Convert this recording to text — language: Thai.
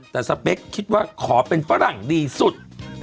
แต่สเปคคิดว่าขอเป็นฝรั่งดีสุด